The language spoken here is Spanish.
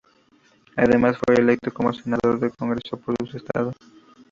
Además, fue electo como senador al Congreso por su estado.